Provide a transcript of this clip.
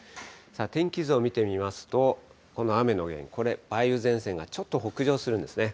天気図を見てみますと、この雨、これ、梅雨前線がちょっと北上するんですね。